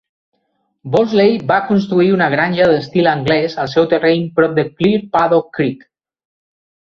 Bossley va construir una granja d'estil anglès al seu terreny prop de Clear Paddock Creek.